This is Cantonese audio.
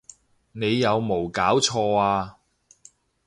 你有無攪錯呀！